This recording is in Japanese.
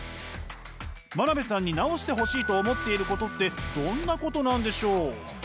真鍋さんに直してほしいと思っていることってどんなことなんでしょう？